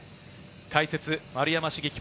解説・丸山茂樹